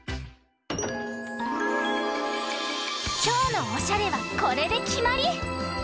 きょうのおしゃれはこれできまり！